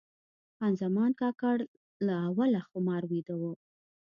خان زمان کاکړ له اوله خمار ویده و.